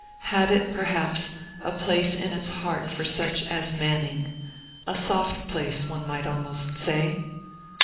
Had it, perhaps, a place in its heart for such as Manning a soft place, one might almost say?